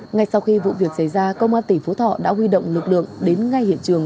ngay sau khi vụ việc xảy ra công an tỉnh phú thọ đã huy động lực lượng đến ngay hiện trường